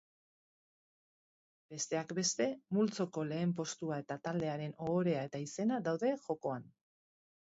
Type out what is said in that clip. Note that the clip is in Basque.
Besteak beste, multzoko lehen postua eta taldearen ohorea eta izena daude jokoan.